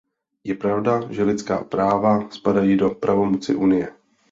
Je pravda, že lidská práva spadají do pravomoci Unie.